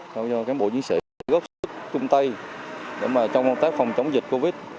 cho các bộ diễn sĩ góp sức chung tay trong công tác phòng chống dịch covid